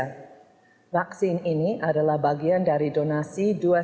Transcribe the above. kedatangan vaksin astrazeneca ini merupakan pengiriman tahap pertama dari rencana pemerintah australia